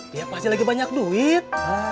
dia pasti lagi banyak duit